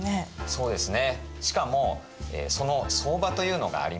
そうですね。